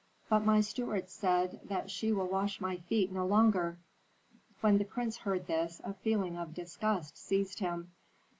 "But my steward says that she will wash my feet no longer." When the prince heard this, a feeling of disgust seized him.